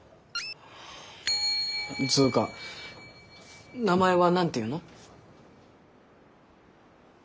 つうか名前は何ていうの？